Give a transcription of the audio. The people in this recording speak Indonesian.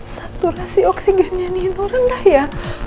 saturasi oksigennya nino rendah ya